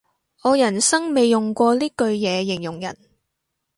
我人生未用過呢句嘢形容人